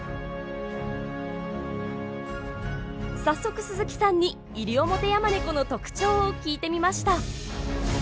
早速鈴木さんにイリオモテヤマネコの特徴を聞いてみました。